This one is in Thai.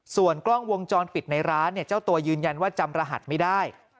ส่วนกล้องวงจรปิดในร้านเจ้าตัวยืนยันว่าจำรหัสไม่ได้